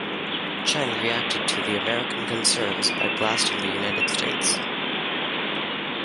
Chen reacted to the American concerns by blasting the United States.